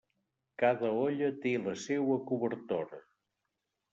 Cada olla té la seua cobertora.